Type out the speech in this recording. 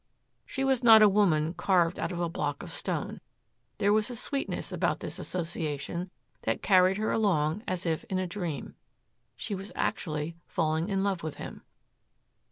She was not a woman carved out of a block of stone. There was a sweetness about this association that carried her along as if in a dream. She was actually falling in love with him.